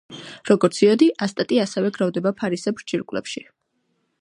როგორც იოდი, ასტატი ასევე გროვდება ფარისებრ ჯირკვლებში.